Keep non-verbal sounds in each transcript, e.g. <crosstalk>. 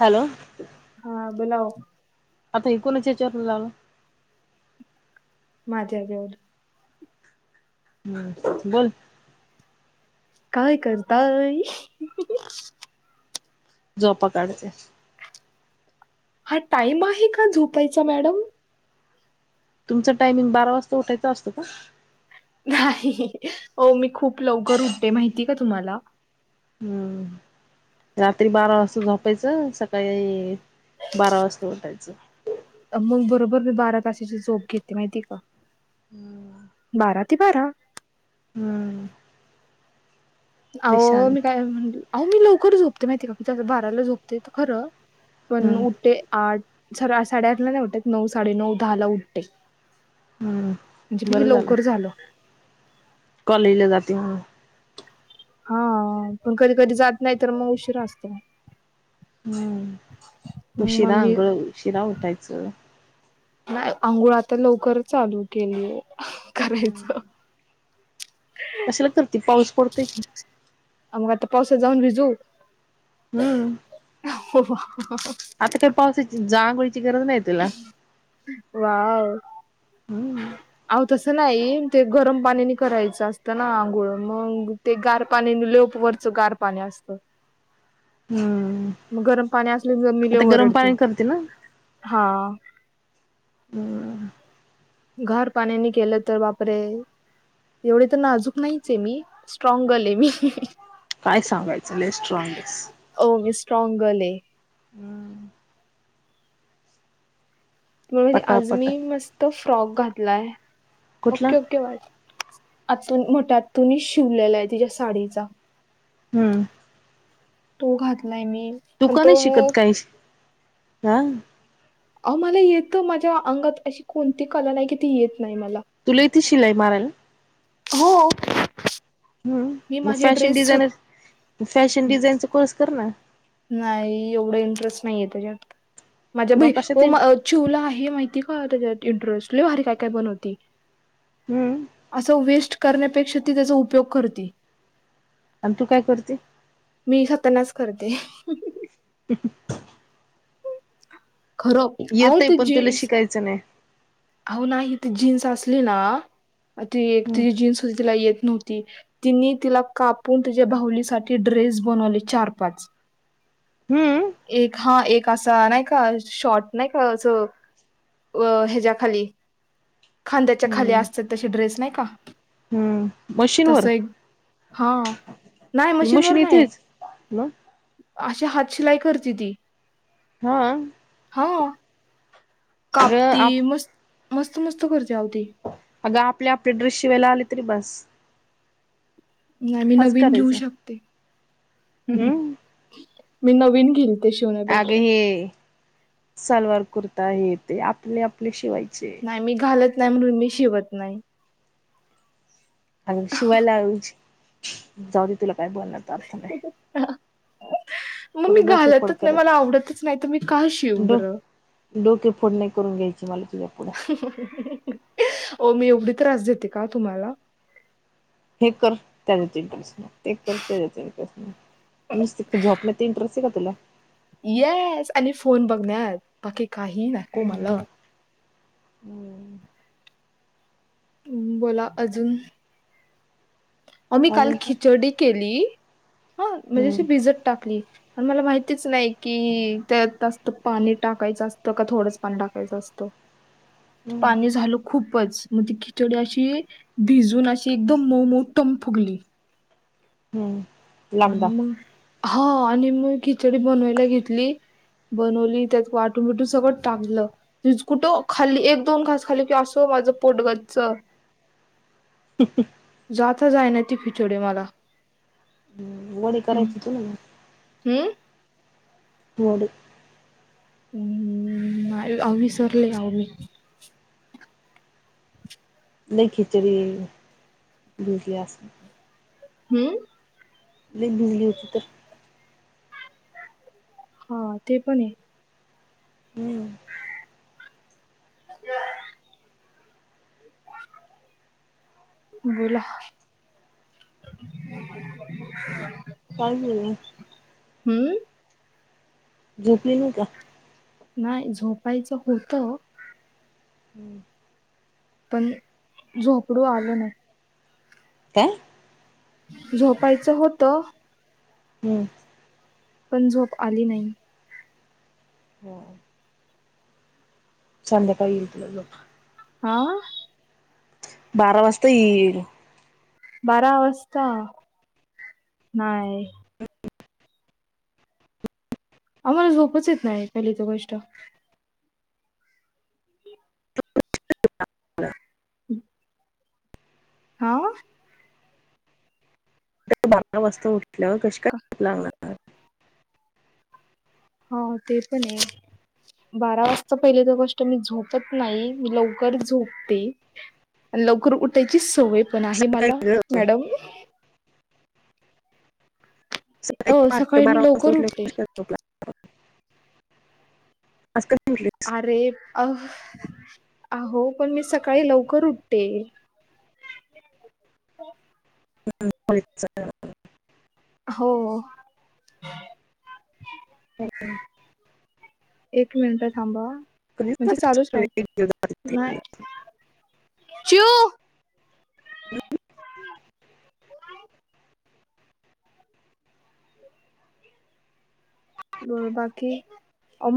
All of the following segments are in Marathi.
हॅलो हा बुलाव आता एक कोणाच्या हेच्यावरन लावला माझ्याजवळ हम् बोल काय करताय झोपा काढते हा टाइम आहे का झोपायचा मॅडम तुमचं टायमिंग बारा वाजता उठायचं असतं का नाही हो मी खूप लवकर उठते माहिती का तुम्हाला हम्म रात्री बारा वाजता झपायचं सकाळी बारा वाजता उठायचं मग बरोबर मी बारा तासाची झोप घेते माहिती का बार त बार हम्म लय अहो शहाणी मी काय म्हणते अहो मी लवकर झोपते माहिती आहे का कि बाराला झोपते तर खरं पण हम्म उठते आठ स साडेआठला नाही उत नऊ साडे नऊ दहा ला उठते म्हणजे हम्म मी बरं झालं लवकर झाल कॉलेजला जात ह हा पण कधी कधी जात नाही तर मग उशीर असतो हम्म मग उशिरा मम्मी आंघोळ उशिरा उठायचं नाही अंघोळ आता लवकर चचालू केलीय करायचं कशाला करते पाऊस पडतय की मग आता पावसात जाऊन भिजू हम्म हुं आ ह आता काही पावसाची जांग होईल वा हम्म आ‌ ओ तस नाही ते गरम पाण्याने करायचं असतं ना आंघोळ मग ते गार पाणी ललेप वत त्या च गार पाणी असत हम्म मग गरम पाणी असले जरमीले आता गरम वरडतील पाणी करते ना हा आ हम गार पाण्यानी केलं तर बापरे एवढे तर नाजूक नाहीच मी स्ट्रॉंग गलऀ मी काय सांगायचं ल ई स्टांगेस हो मी स्ट्रॉंग गलऀ‌ हे हम म्हणून आज पटापट मी मस्त फ्रॉक घातलाय कुठला ओके ओके बाय आतूनि मोठ्या आतुनिशिवलेला आहे तिच्या साडीचा हम्म तो घातलाय मी तु आणि का तो नाही शिकत काही च हा अहो मला येत माझ्या अंगात अशी कोणती कला नाही कि ती येत नाही मला तुलायेती शिलाई मारायला हो ओ हम् मग फॅशन डिझाईनर फॅशन डिझाईनचा कोर्स कर ना नाही एवढं इंटरेस्ट नाहीये त्याच्यात माझ्या तुला बई कशात हो येईल म चिवला आहे माहिती का त्याच्या इंटरेस्ट ल ई भारि काय काय बनवती हम्म असं वेस्ट करण्यापेक्षा ती त्याचा उपयोग करति आणि तु काय करते? मी खातानाच करते. खर आहे येतय पण तुला तेजस शिकायचं नाही आहो नाही ती जीन्स असली ना ती एक हम्म. तिची जीन्सच तिला येत नव्हती तिने तिला कापून तिच्या भाऊलीसाठी ड्रेस बनवले चार पाच. हम्म एक हा एक असा नाही का शॉर्ट नाही का असं अ ह्याच्या खाली खांद्याच्या खाली हम्म असतात तशे ड्रेस नाही का? हम्म मशीन वर तसं एक हा नाही तुला मशीनवर नाही येतेच मग अशा हात शिलाई करते ती हा आ आ हो कापती आप मस्त मस्त मस्त करते आहो ती अग आपली आपली ड्रेस शिवायला आली तरी बस नाही मी असं नवीन घेऊ करायचं शकते हम्म मी नवीन घेईल. ते अग शिवण्यापेक्षा हे सलवार कुर्ता हे ते आपले आपल्या शिवायचे. नाही मी घालत नाही म्हणून मी शिवत नाही. अ शिवायला जाऊ दे तुला काय बोलणार त अर्थ नाही. मग कुठे मी डोके फोड घालतच नाही करत मला आवडतच नाही तर मी का शिव डो बरं? डोके फोडणे करून घ्यायचे. ह ह ह हो मी एवढी त्रास देते का तुम्हाला? हे कर त्या चच ते करते त्याच इंटरेस्ट नुस झोपण्या इंटरेस्ट आहे का तुला? येस आणि फोन बघण्यात बाकी काही नको मला. हम् बोला अजून आ मी काल अजून काय? खिचडी केली. हा हम्म म्हणजेशी भिजत टाकली. प मला माहितीच नाही की त्यात जास्त पाणी टाकायचं असतं का थोडंच पाणी टाकायचं असतं. हम्म पाणी झाल खूपच मग ती खिचडी अशी भिजून अशी एकदम मऊ मऊ टम फुगली. हम्म लागदा. आणि मग हा आणि मग खिचडी बनवायला घेतली. बनवली त्यात वाटून बिटून सगळं टागलं कुठं खाली एक दोन घास खाली कि असो माझं पोटगच्च हम्म हम्म जाता जायना ती खिचडी मला. हम् वडी हम्म करायची तुला. हम्म हो बाई हम् अहो विसरले ना हो मी. नाही खिचडी हम्म नाही बिजली उफतर हा ते पण आहे. हम्म ह बोला काय हम्म झोपली न का नाही झोपायचं होत हम्म पण झोपडू आल नाही का झोपायचं होतं हम्म पण झोप आली नाही हो संध्याकाळी येईल तुला लोक हा बारा वाजता ये बार अवस्था नाही आम्हाला झोपचच नाही पहिली तर गोष्ट <inaudible> हम् हा बारा वाजता उठल्यावर कशी काय झोप लागणार हा ते पण ये बारा वाजता पहिले तर गोष्ट मी झोपत नाही मी लवकर झोपते लवकर उठायची सवय पण आहे मला सकाळी ग मॅडम सकाळी अ पहाटे सकाळी बारा मी वाजता लवकर उठल्यावर उठते कशी काय झोप लागणार आज कधी उठलीस अरे अ अहो पण मी सकाळी लवकर उठते <unintelligible> हम् हो एक मिनिट थांबा म्हणजे चालूच राहुदे चिऊ हम् बाकी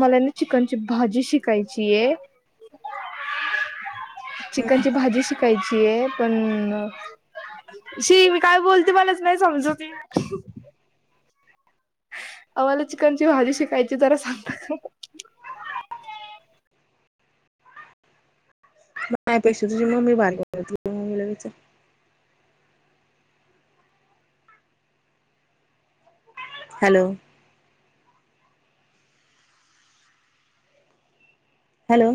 मला ना चिकनची भाजी शिकायची आहे <unintelligible> चिकनची भाजी शिकायचीय पण काय बोलते मलाच नाही समजवते आम्हाला चिकनची भाजी शिकायची जरा सांगतात ना <unintelligible> नाही पेक्षा तुझी मम्मी बाहेर ग तुझ मम्मी लगेच हॅलो हॅलो